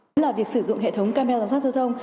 đó là việc sử dụng hệ thống camera giám sát giao thông